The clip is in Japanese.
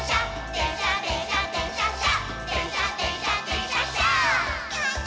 「でんしゃでんしゃでんしゃっしゃ」